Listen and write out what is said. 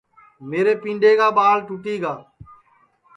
میرے پینڈؔے کا ٻاݪ ٹُوٹی گا